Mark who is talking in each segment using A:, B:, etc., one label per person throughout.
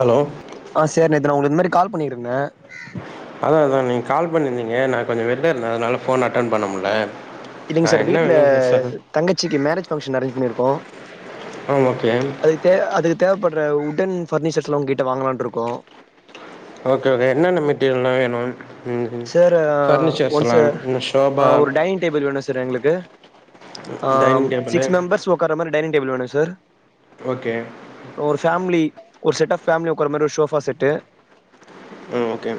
A: hello
B: ஆஹ் sir நேத்து நான் உங்கலுக்கு இந்தமாதிரி கால் பண்ணிருந்தே
A: அதா அதா நீங்க கால் பண்ணிருந்தீங்க நா கொஞ்சொ வெள்ல இருந்த அதனால ஃபோன் அட்டன் பண்ண முடில
B: இல்லைங்க
A: ஆ
B: சார்
A: என்ன
B: வீட்ல
A: வேணும் சார்
B: தங்கச்சிக்கு மேரேஜ் பங்க்ஷன் அரேஞ்ச் பண்ணிருக்கோ
A: ஆ ஓகே
B: அதுக்கு தே அதுக்கு தேவைப்படுற உட்டன் ஃபர்னிச்சர்ஸ்லா உங்க கிட்ட வாங்கலான் இருக்கோ
A: ஓகே என்னென்ன மெட்டீரியல்லா வேணும் ம் ம்
B: சார்
A: ஃபர்னிச்சர்ஸ்ல்லா
B: ஒன்ஸ்
A: ம்
B: ஆ
A: ஷோபா
B: ஒரு டைனிங் டேபிள் வேணு சார் எங்களுக்கு ஆ
A: டைனிங் டேபிளு
B: சிக்ஸ் மெம்பர்ஸ் ஒக்கார்ர மாரி டைனிங் டேபிள் வேணு சார்
A: ஓகே
B: ஒரு ஃபேமிலி ஒரு செட் ஆஃப் ஃபேமிலி உக்கற மாரி ஒரு ஷோஃபா செட்டு
A: ம் ஓகே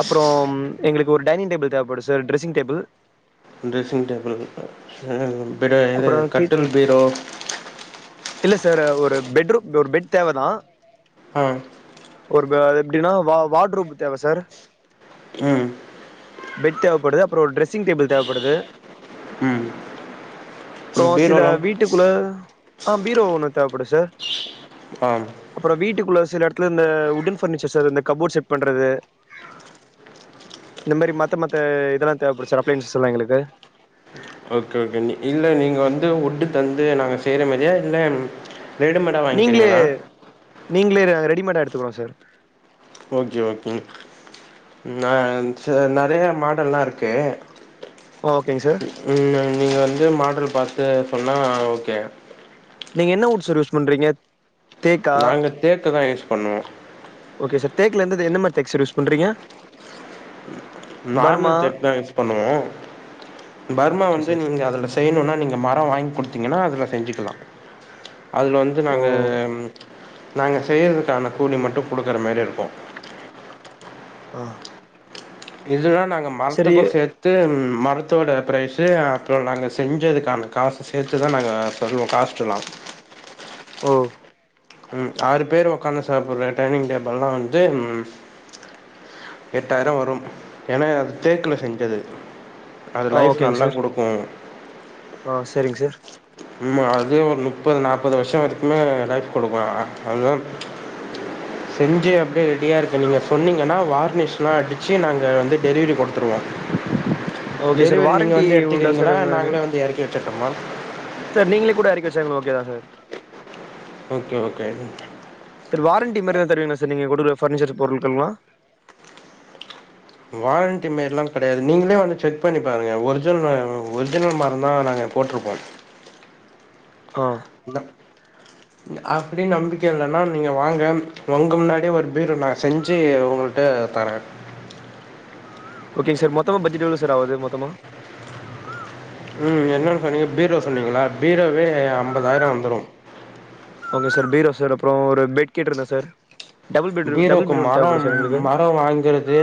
B: அப்புறம் எங்களுக்கு ஒரு டைனிங் டேபிள் தேவைப்படுது sir dressing table
A: dressing table வேற
B: அப்றோ கிட்
A: கட்டில் பீரோ
B: இல்ல சார் ஒரு பெட் ரூம் ஒரு பெட் தேவைதா
A: ஆ
B: ஒரு எப்படின்னா வார்ட் ரூப் தேவை சார்
A: ம்
B: பெட் தேவப்படுது அப்றொ ஒரு டிரெஸ்ஸிங் டேபிள் தேவப்படுது
A: ம்
B: அப்றொ சில
A: பீரோலாம்
B: வீட்டுக்குள்ள ஆ பீரோ ஒண்ணு தேவைப்படுது சார்
A: ஆம்
B: அப்புறம் வீட்டுக்குள்ள சில இடத்துல இந்த உட்டன் ஃபர்னிச்சர் சார் இந்த கபோர்ட் செட் பண்றது இந்த மாரி மத்த மத்த இதெல்லா தேவைப்பட்டுச்சுனா அப்ளையன்ஸ்செல்லா எங்களுக்கு
A: ஓகே ஓகே நீ இல்ல நீங்க வந்து உட்டு தந்து நாங்க செய்ற மாதிரியா இல்ல
B: நீங்ளே நீங்ளே ரெடிமேடா எடுத்துக்கோங்க சார்
A: ஓகே ஓகே நா செர் நெறைய மாடல்லா இருக்கு
B: ஓகேங் சார்
A: ம் நீங்க வந்து மாடல் பாத்து சொன்னா ஓகே
B: நீங்க என்ன வுட் சார் யூஸ் பண்றீங்க தேக்கா
A: நாங்க தேக்குதா யூஸ் பண்ணுவோ
B: ஓகே சார் தேக்குல எந்த மாதிரி தேக்கு சார் யூஸ் பண்றீங்க பர்மா
A: நார்மல் தேக்கு தா யூஸ் பண்ணுவோ பர்மா
B: ஓகே
A: வந்து
B: சார்
A: நீங்க அதுல செய்யணுன்னா நீங்க மரொ வாங் குடுத்தீங்கனா அதுல செஞ்சுக்கலா அதுல வந்து
B: ஓ
A: நாங்க நாங்க செய்யறதுக்கான கூலி மட்டும் கொடுக்குற மாதிரி இருக்கு
B: ஆ
A: இதுன்னா நாங்க
B: சரி
A: மரத்துக்கும் சேர்த்து வந்து மரத்தோட ப்ரைஸு அப்றொ நாங்க செஞ்சதுக்கான காசு சேத்துதா நாங்க சொல்வோ காஸ்ட்லா
B: ஓ
A: ம் ஆறு பேர் ஒக்காந்து சாப்பிட்ற டைனிங் டேபிள்ல்லா வந்து எட்டாயிரொ வரும் ஏனா அது தேக்ல செஞ்சது அது
B: ஆ
A: லைஃப்
B: ஓகேங்க
A: நல்லா
B: சார்
A: குடுக்கு
B: ஆ செரிங்க சார்
A: உம்மா அதுவே ஒரு ணுப்பது நாப்பது வர்ஷோ வதுக்குமே லைஃப் [unintelligible] செஞ்சு அப்டியே ரெடியா இருக்கு நீங்க சொன்னீங்கன்னா வார்னிஷ்லா அடிச்சு நாங்க வந்து டெலிவரி குடுத்துருவோ
B: ஓகே சார்
A: டெலிவரி நீங்க
B: வாரண்டி
A: வந்து
B: உண்டா சார்
A: எடுத்துக்கிறீங்களா
B: உங்க
A: நாங்களே வந்து எறக்கி வச்சற்னுமா
B: சார் நீங்களே கூட எறக்கி வச்சா எங்ளுக் ஓகே தா sir
A: okay okay
B: sir warranty மாரி எதொ தருவிங்ளா சார் நீங்க கொடுக்குற ஃபர்னிச்சர் பொருளுக்கெல்லா
A: வாரண்டி மாரிலா கெடையாது நீங்களே வந்து செக் பண்ணி பாருங்க ஒரிஜினல் ஒரிஜினல் மரந்தா நாங்க போட்டிருப்போ
B: ஆ
A: இந்தா அப்டின்னு நம்பிக்க இல்லன்னா நீங்க வாங்க உங்க முன்னாடியே ஒரு பீரோ நா செஞ்சு உங்களுக் ட தரே
B: ஓகேங்க சார் மொத்தமா பட்ஜெட் எவ்ளோ சார் ஆகுது மொத்தமா
A: ம் என்னென்னு சொன்னீங்க பீரோ சொன்னீங்ளா பீரோவே ஐம்பதாயிர வந்துரு
B: ஓகே சார் பீரோ சார் அப்பறொ ஒரு பெட் கேட்ருந்தே சார் டபுள் பெட் டபுள்
A: பீரோக்கு
B: பெட் ஒன்னு
A: மரம்
B: தேவப்படும் சார் எங்களுக்கு
A: மர வாங்குறது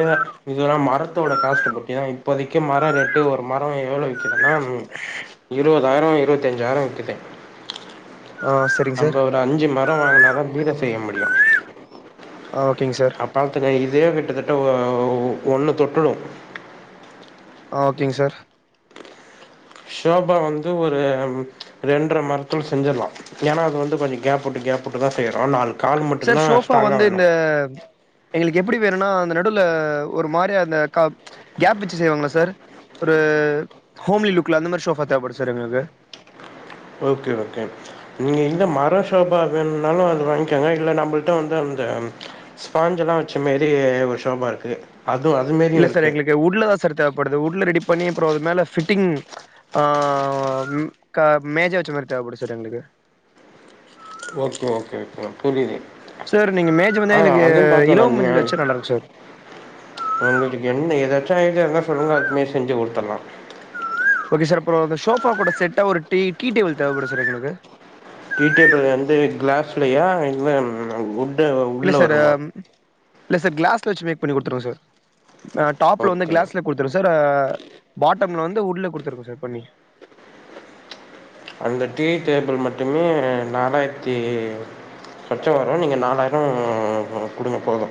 A: இதல்லா மரத்தோட காஸ்ட் பொட்யா இப்போதக்கி மரொ ரேட்டு ஒரு மரொ எவ்ளோ விக் இதுனா இருவதாயிர இருவத்தஞ்சாயிர வித்துட்டே
B: ஓ சேர்
A: நம்ப ஒரு அஞ்சு மர வாங்கினதா பீரோ செய்ய முடியு
B: ஆ ஓகேங் சார்
A: பாத்துக்க இதே கிட்டத்தட்ட ஒன்ன தொட்டுடு
B: ஆ ஓகேங் சார்
A: ஷோஃபா வந்து ஒரு ரெண்டர மரத்துல செஞ்சிர்லா ஏனா அது வந்து கொஞ்ச கேப்விட்டு கேப்விட்டு தா செய்றோ நால்
B: சார் ஷோஃபா வந்து இந்த எங்களுக்கு எப்டி வேணுனா அந்த நடுல ஒரு மாரிய அந்த க கேப் வச்சு செய்வாங்கல சார் ஒரு ஹோம்லி லுக்ல அந்த மாரி ஷோஃபா தேவப்படுத் சார் எங்ளுக்கு
A: ஓகே ஓகே நீங்க இந்த மர சோஃபா வேணுமுனாலு அது வாங்கிகெங்க இல்ல நம்பள்ட்ட வந்து அந்த ஸ்பான்ஞ்சல்லா வச்ச மாரி ஒரு ஷோபா இருக்கு அது அதுவு மாரியு
B: இல்ல சார்
A: இருக்கு
B: எங்களுக்கு வுட்ல தா சார் தேவப்படுது வுட்ல ரெடி பண்ணி அப்பற அது மேல ஃபிட்டிங் அ க மேஜ வச்ச மாரி தேவைப்படு சார் எங்களுக்கு
A: ஓகே ஓகே அ புரிது
B: சார் நீங்க மேஜ வந்து
A: அ
B: எங்களுக்கு
A: அதையு
B: இலவ மஞ்சள் வச்சா நல்லா இருக்கு சார்
A: [unintelligible] உங்களுக்கு என்ன [unintelligible] எதுனா சொல்லுங்க அத இப்மே செஞ்சு குடுத்துட்லா
B: ஓகே சார் அப்பற அந்த ஷோஃபா கூட செட்டா ஒரு டீ டீ டேபிள் தேவைப்படு சார் எங்களுக்கு
A: டீ டேபுள் வந்து கிளாஸ்லையா இல்ல
B: இல்ல
A: உள்ள
B: சார்
A: வருமா
B: இல்ல சார் கிளாஸ்ல வச்சு மேக் பண்ணி குடுத்துருங்க சார் டாப்ல வந்து
A: ஓகே
B: கிளாஸ்ல குடுத்துருங்க சார் பாட்டம்ல வந்து வுட்ல குடுத்துருங்க சார் பண்ணி
A: அந்த டீ டேபிள் மட்டுமே நாலாய்ர்த்தி சொச்சொ வரு நீங்க நாலாயிரொ குடுங்க போது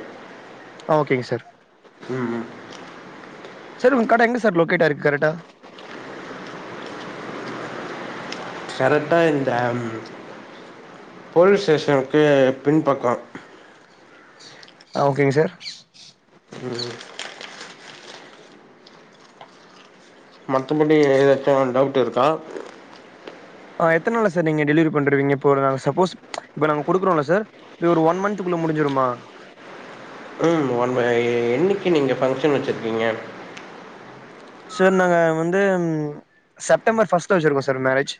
B: ஆ ஓகேங்க சார்
A: ம் ம்
B: சார் உங்க கட எங்க சார் லொக்கேட்டாயிருக்கு கரெட்டா
A: கரெட்டா இந்த போலீஸ் ஸ்டேஷனுக்கு பின்பக்கொ
B: ஆ ஓகேங் சார்
A: ம் மத்தபடி எதாச்சு டவுட் இருக்கா
B: ஆ எத்தன் நாளா சார் நீங்க டெலிவரி பண்ருவீங்க இப்போ நா சப்போஸ் இப்போ நாங்க குடுக்குறோல சார் இது ஒரு ஒன் மந்த்துகுள்ள முடிஞ்சுருமா
A: ம் ஒன் என்னிக்கு நீங்க ஃபங்க்ஷன் வச்ர்க்கீங்க
B: சார் நாங்க வந்து செப்டம்பர் ஃபஸ்ட் வச்சுருக்கோம் சார் மேரேஜ்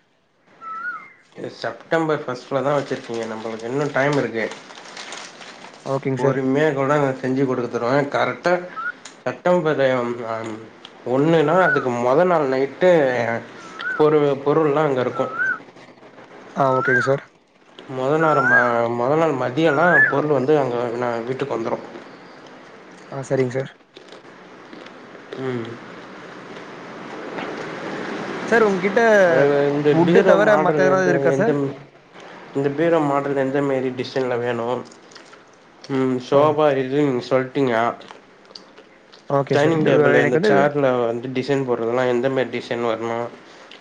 A: இது செப்டம்பர் பர்ஸ்ட்லதா வச்சிருக்கீங்க நம்மளுக்கு இன்னும் டைம் இருக்கு
B: ஓகேங் சார்
A: பொறுமையாக கூட நா செஞ்சு குடுத்துருவேன் கரெக்டா சட்டம் [unintelligible] ஒண்ணுன்னா அதுக்கு மொ நாள் நைட்டு பொரு பொருள்ல்லாம் அங்க இருக்கு
B: ஆ ஓகேங்க சார்
A: மொத நேரம்ம மொதல் நாள் மதியல்லா பொருள் வந்து அங்கு நா வீட்டுக் வந்துரு
B: ஆ சரிங் சார்
A: ம்
B: சார் உங்க்கிட்ட
A: அதுல இந்த பீரோ மாடல் எந்த
B: இருக்கா
A: எந்த
B: சார்
A: இந்த பீரோ மாடல் எந்த மாரி டிசைன்ல வேணு ம்
B: ஆ
A: சோபா இதுன்னு நீங்க சொல்ட்டீங்க
B: ஓகே சார்
A: டைனிங் டேபிள் இந்த
B: எனக்கு வந்து
A: சேர்ல வந்து டிசைன் போட்றுதெல்லா எந்த மேரி டிசைன் வர்ணு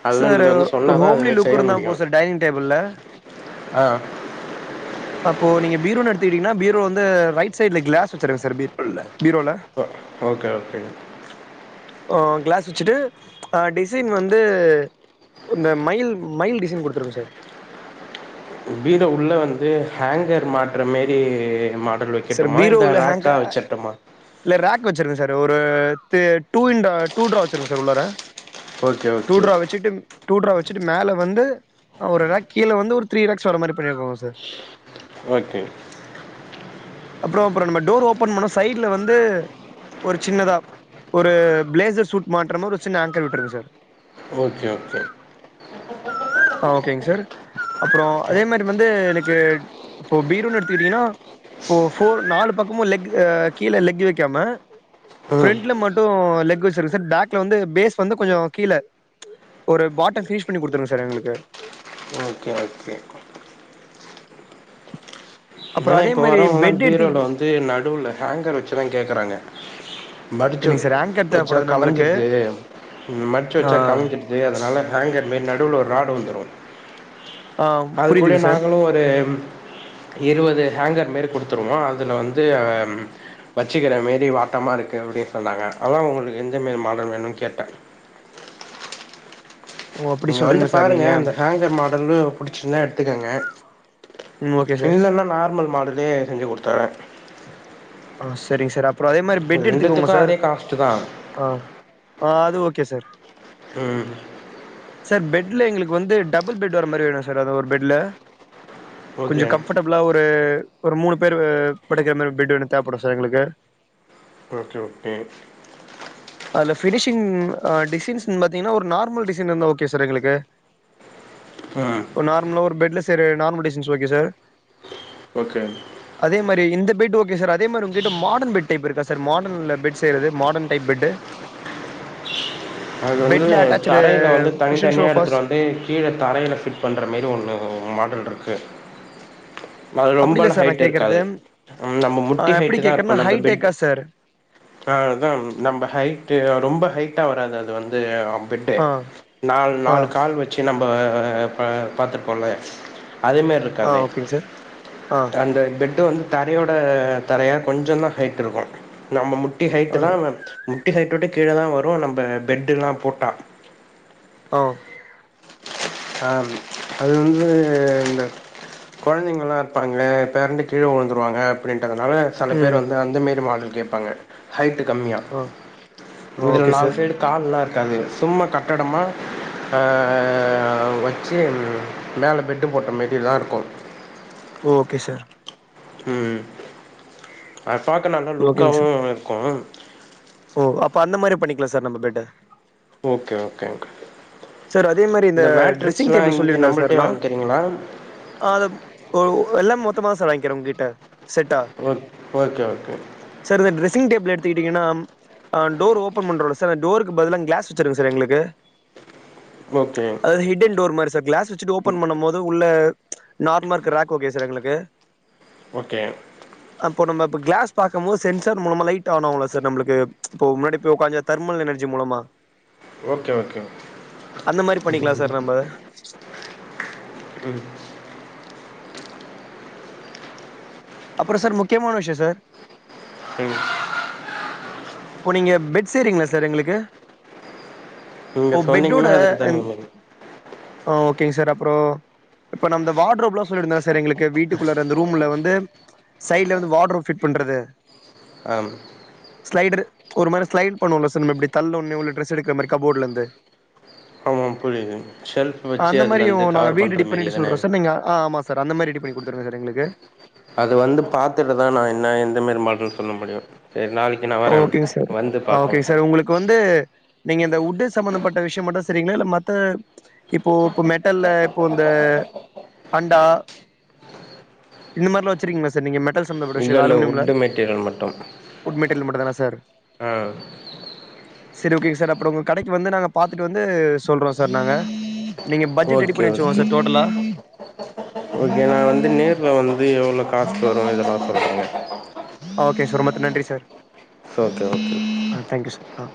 A: அதலாம்
B: சார்
A: நீங்கள் வந்து சொன்னா
B: ஒரு
A: தா
B: ஹோம்லி
A: அதுமா
B: லுக்
A: செய்ய
B: இருந்தா போது
A: முடியும்
B: சார் டைனிங் டேபள்ல
A: ஆ
B: அப்போ நீங்க பீரோனு எடுத்துக்கிட்டீங்கன்னா பீரோ வந்து ரைட் சைட்ல கிளாஸ் வச்சருங்க சார் பீரோல
A: ஓகே ஓகேங்க
B: ஓ கிளாஸ் வச்சுட்டு அ டிசைன் வந்து ஒன்னு மைல் மைல் டிசைன் குடுத்துருங்க சார்
A: வீட உள்ள வந்து ஹேங்கர் மாட்ற மாரி மாடல் வை
B: சார்
A: க்கெட்டுமா
B: பீரோ
A: இந்த
B: உள்ள ஹேங்க
A: ராக்கா வச்சட்டுமா
B: இல்ல ரே் வச்சிருங்க சார் ஒரு த டூ டூ ட்ரா வச்சுருங்க சார் உள்ளற
A: ஓகே
B: டூ
A: ஓகே
B: ட்ரா வச்சுட்டு டூ ட்ரா வச்சுட்டு மேலே வந்து ஒரு ராக் கீழ வந்து ஒரு த்ரீ ராக்ஸ் வர மாரி பண்ணிருக்கோ சார்
A: ஓகே
B: அப்புறம் அப்புறம் நம்ம டோர் ஓபன் பண்ணோ சைட்ல வந்து ஒரு சின்னதா ஒரு பிளேசர் சூட் மாற்றமா ஒரு சின்ன ஆங்கர் விட்ருக்கு சார்
A: ஓகே ஒக்கே
B: ஆ ஓகேங்க சார் அப்றம் அதே மாரி வந்து எனக்கு இப்போ பீரோன்னு எடுத்துக்கிட்டீன்னா இப்போ ஃபோர் நாலு பக்கமு லெக் அ கீழ லெக் வக்காம
A: ம்
B: ஃப்ரண்ட்ல மட்டு ம் லெக் வச்சுர்ர சார் பேக்ல வந்து பேஸ் வந்து கொஞ்ச கீழ ஒரு பாட்டம் பினிஷ் பண்ணி குடுத்துர்ர ஜனங்களுக்கு
A: ஓகே ஓகே
B: அப்புறோ
A: ஏன்னா
B: அதே
A: இப்ப
B: மாரி
A: வரவல்லாம்
B: பெட்
A: பீரோல
B: எடுத்துக்கிட்டு
A: வந்து நடுவுல ஹேங்கர் வச்சுதா கேக்கறாங்க மடிச்சு
B: இல்லைங்க சார் ஆங்கர்
A: வச்சா
B: தேவப்படுது நம்பளுக்கு
A: கலஞ்சிருது மட்ச்சு
B: ஆ
A: வச்சா கலஞ்சிரு எ அது அதனா ஹேங்கர் மாரி நடுல ஒரு ராடு வந்துரும்
B: ஆ
A: அது கூட
B: புரியுதுங்க சார்
A: நாங்களும் ஒரு இருவது ஹேங்கர் மாரி குட்த்துருவோம் அதுல வந்து வச்சுக்கிற மேரி வட்டமா இருக்கு அப்படி சொன்னாங்க அதா உங்குள்க்கு எந்த மீன் மாடல் வேணுன் கேட்ட
B: ஓ அப்டி
A: நீங்க வந்து
B: சொல்றீங்க சார்
A: பாருங்க
B: நீங்க
A: அந்த ஹேங்கர் மா இதல்லா படுச்ச இர்ந்தா எடுத்துக்கங்க
B: ம் ஓகே சார்
A: இல்லன்னா நார்மல் மாடலே செஞ்சி குடுத்தே
B: ஆ சரிங்க சார் அப்றம் அதே மாரி பெட் எடுத்துக்கோங்க
A: ரெண்டுத்துக்கு
B: சார்
A: அதே காஸ்ட்டு தா
B: ஆ ஆ அது ஓகே சார்
A: ம்
B: சார் பெட்ல எங்களுக்கு வந்து டபுள் பெட் வர மாரி வேணு சார் அது ஒரு பெட்ல கொஞ்ச
A: ஓகே
B: கம்ஃபர்டபிளா ஒரு ஒரு மூணு பேர் படுக்கிற மாரி பெட் வேணு தேவைப்படு சார் எங்களுக்கு
A: ஓகே ஓகே
B: அது பினிஷிங் டிசைன்ஸ் பாத்தீங்கன்னா ஒரு நார்மல் டிசைன் இருந்தா ஓகே சார் எங்களுக்கு
A: ம்
B: நார்மலா ஒரு பெட்ல செய்யுற normal designs okay sir
A: okay
B: அதே மாதிரி இந்த பெட்டு ஓகே சார் அதே மாரி உங்கிட்ட மாடன் பெட் டைப் இருக்கா சார் மாடர்ன்லா பெட் செய்யுறது மாடர்ன் டைப் பெட்டு
A: அது வந்து
B: பெட்ல அட்டாச்டு
A: தரையில வந்து தனி
B: குஷன்
A: தனியா
B: சோஃபாஸ்
A: எடுத்துட்டு வந்து கீழ தரையில ஃபிட் பண்ற மாரி ஒன்னு மாடல் இருக்கு அது
B: அப்டி இல்ல
A: ரொம்பலா
B: சார் நா
A: ஹைட்
B: கேக்குறது
A: இருக்காது நம்ம
B: ஆ
A: முட்டி
B: எப்டி
A: ஹைட் தா
B: கேக்குறேன்னா
A: இருக்கு நம்ம பெட்
B: ஹைடெக்கா சார்
A: ஆ அதா நம்ப ஹைட் ரொம்ப ஹைட்டா வராது அது வந்து பெட்
B: ஆ
A: நாலு
B: ஆ
A: நாலு கால் வச்சு வச்சு நம்ப இப்ப பாத்திருக்கோல அதேமாரி இருக்
B: ஆ
A: தவே
B: ஓகேங்க சார் ஆ
A: அந்த பெட் வந்து தரையோட தரையா கொஞ்ச தா ஹைட் இருக்கு நம்ம முட்டி ஹைட்டு
B: ஆ
A: தா முட்டி ஹைட்ட விட கீழதா வரு நம்ம பெட்டு்ல்லா போட்டா
B: ஆ
A: ஆ அது வந்து இந்த கொழந்தைங்கல்லா இருப்பாங்கல பேரண்டு கீழ விழுந்துருவாங்க அப்படின்றதுனால சில பேர்
B: ம்
A: வந்து அந்த மாரி மாடல் கேட்பாங்க ஹைட்டு கம்மியா
B: ஆ ஆ
A: இதுல
B: ஓகே
A: நாலு
B: சார்
A: சைடு கால்லா இருக்காது சும்மா கட்டடமா ஆ வச்சு மேல பெட்டு போட்ட மாரில இருக்கு
B: ஓகே சார்
A: ம் அது பாக்க நல்லா
B: ஓகேங்க சார்
A: லுக்காவும் இருக்கும்
B: ஓ அப்ப அந்த மாரி பண்ணிக்கலா சார் நம்ப பெட்ட
A: ஓகே ஓகேங்க
B: சார் அதே மாரி இந்த ட்ரெஸ்ஸிங்
A: மேட்ரிக்ஸ்லா
B: டேபிள்
A: இங்க
B: சொல்லியிருந்த சார்
A: நம்மள்ட்டயே
B: நா
A: வாங்கிக்கிறீங்களா
B: ஆ அது ஓ எல்லாம் மொத்த சார் வாங்கிக்கிற உங்க கிட்ட செட்டா
A: ஓ ஓகே ஓகே
B: சார் இந்த டிரெஸ்ஸிங் டேபிள் எடுத்துட்டிங்கன்னா டோர் ஓப்பன் பண்ணறோல்ல சார் அந் டோருக்கு பதிலா கிளாஸ் வச்சுருங்க சார் எங்களுக்கு
A: ஓகே
B: அதாவது ஹிட்டன் டோர் மாரி சார் கிளஸ் வச்சிட்டு ஓப்பன் பண்ணுபோது உள்ள நார்மலா ருக்கிற ராக் ஓகே சார் எங்களுக்கு
A: ஓகே
B: அப்போ நம்ம இப்ப கிளாஸ் பார்க்குபோது சென்சார் மூலமா லைட் ஆணாகுல்ல சார் நம்மளுக்கு இப்போ முன்னாடி போய் உட் தர்மல் எனர்ஜி மூலமா
A: ஓகே ஓகே
B: அந்த மாரி பண்ணிக்கலா சார் நம்ப
A: ம்
B: அப்புறம் சார் முக்கியமான விஷய சார்
A: தங்கியூ
B: ஓ நீங்க பெட் செய்றீங்களா சார் எங்களுக்கு
A: நீங்க
B: இப்போ பெட்டோட
A: சொன்னீங்கன்னா அதுக்கு
B: இந்
A: தகுந்த மாரி
B: ஆ ஓகே சார் அப்புற இப்ப நா அந்த வார்ட்ரோப் [unintelligible] சார் எங்களுக்கு வீட்டுக்குள்ள அந்த ரூம்ல வந்து சைட்ல வந்து வார்ட்ரோப் பிட் பண்றது
A: அ
B: ஸ்லைடர் ஒரு மாரி ஸ்லைட் பண்ணோல சார் நம்ம எப்டி தள்ள ஒன்னே உள்ள ட்ரெஸ் எடுக்கிற மாரி கபோ்ட்ல இருந்து
A: ஆமாம் புரியுது ஷெல்ஃப் வச்சு
B: அந்த மாரியு
A: அதுலருந்து
B: நாங்க
A: கவர்
B: வீடு
A: பண்ற
B: ரெடி
A: மாரி
B: பண்ணிட்டு
A: தான
B: சொல்றோ சார் நீங்க ஆ ஆமா சார் அந்த மாரி ரெடி பண்ணி குடுத்துடுங்க சார் எங்களுக்கு
A: அது வந்து பாத்துட்டுதா நா என்ன எந்த மாரி மாடல்ன் சொல்ல முடியு சரி நாளைக்
B: ஓகே சார் ஆ ஓகே சார் உங்களுக் கொண்டு நீங்க இந்த உட்டு சம்பந்தப்பட்ட விஷ்யம் மட்டு செரிங்களா இல்ல மத்த இப்போ இப்ப மெட்டல்ல இப்போ இந்த அண்டா இந்த மார்ல்லா வச்சிருக்கீங்களா சார் நீங்க மெட்டல் சம்பந்தபட்ட விஷ்யம் அலுமினியம்ல
A: பட்டியல் மட்டும்
B: தில் மட்டு தானா சார் சரி ஓகேங் சார் அப்புறம் உங்க கடைக்கு வந்து நாங்க பாத்துட்டு வந்து சொல்றோ சார் நாங்க நீங்க பட்ஜெட் ரெடி
A: ஓகே
B: பண்ணி வச்சுகோங்
A: ஓகே
B: சார் டோட்டலா
A: ஓகே நா வந்து நேர்ல் வந்து எவ்ளோ காஸ்ட் வரு இத கம்பேர் பண்ண
B: ஓகே சார் உமக்கு நன்றி சார்
A: ஓகே ஓகே
B: ஆ தேங்க்யூ சார் ஆ